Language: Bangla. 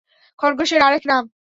খরগোশের আরেক নাম!